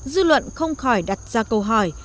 dư luận không khỏi đặt ra câu hỏi